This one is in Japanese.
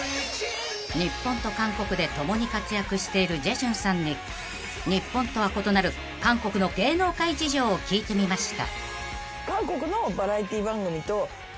［日本と韓国で共に活躍しているジェジュンさんに日本とは異なる韓国の芸能界事情を聞いてみました］